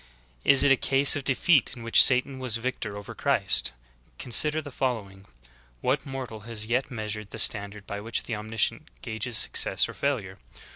Is it a case of defeat in which Satan was victor over Christ? Consider the following. What mortal has yet measured the standard by which Omnisci ence gages success or failure?